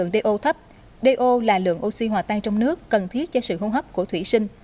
đê ô thấp đê ô là lượng oxy hòa tan trong nước cần thiết cho sự hôn hấp của thủy sinh